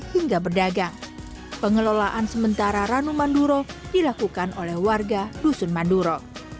hingga berdagang pengelolaan sementara ranu manduro dilakukan oleh warga dusun manduro